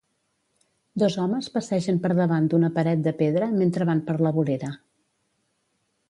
Dos homes passegen per davant d'una paret de pedra, mentre van per la vorera.